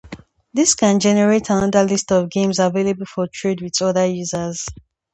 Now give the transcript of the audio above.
This can generate another list of games available for trade with other users.